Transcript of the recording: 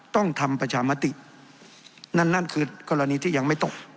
ต้องทำประชามตินั่นนั่นคือกรณีที่ยังไม่ตก